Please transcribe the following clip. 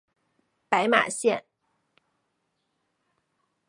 白马线